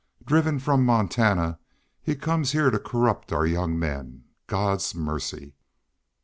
Driven from Montana he comes here to corrupt our young men. God's mercy!"